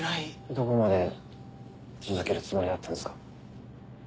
どこまで続けるつもりだったんですか？